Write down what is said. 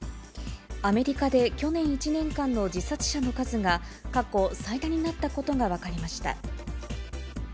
アメリカで去年１年間の自殺者の数が、過去最多になったことが分かりました。